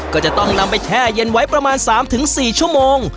ก็จะต้องนำไปแช่เย็นไว้ประมาณ๓๔ชั่วโมง